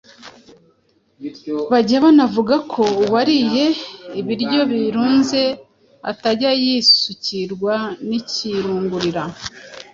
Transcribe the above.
Bajya banavuga ko uwariye ibiryo birunze atajya yisukirwa n’ikirungurira.